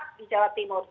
meningkat di jawa timur